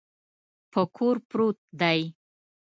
په کور پروت دی.